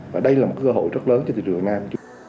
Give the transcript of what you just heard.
và đây là một cơ hội rất lớn cho thị trường việt nam